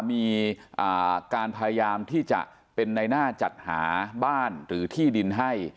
มีการพยายามที่จะเป็นในหน้าจัดหาบ้านหรือที่ดินให้